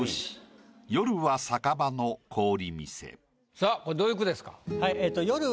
さぁこれどういう句ですか？